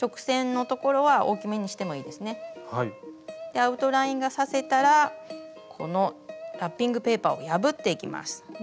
アウトラインが刺せたらこのラッピングペーパーを破っていきます。